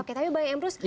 oke tapi pak emrus